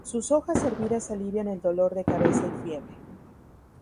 Sus hojas hervidas alivian el dolor de cabeza y fiebre.